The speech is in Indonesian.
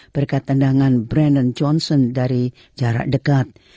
berkat tendangan brandon johnson dari jarak dekat